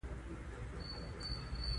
ما احمد ته پنځه زره افغانۍ قرض ورکړې.